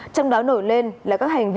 trong đó nổi lên là các hành vi